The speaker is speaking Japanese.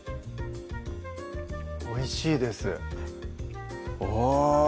おいしいですあぁ